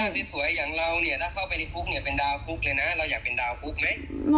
ที่สวยอย่างเราเนี่ยถ้าเข้าไปในคุกเนี่ยเป็นดาวฟุกเลยนะเราอยากเป็นดาวฟุกไหม